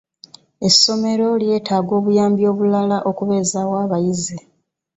Essomero lyetaaga obuyambi obulala okubeezaawo abayizi.